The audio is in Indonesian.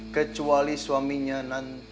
kecuali suaminya nanti